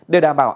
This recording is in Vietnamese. để đảm bảo